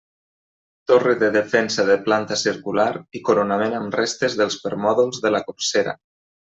Torre de defensa de planta circular i coronament amb restes dels permòdols de la corsera.